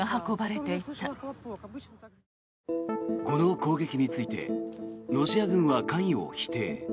この攻撃についてロシア軍は関与を否定。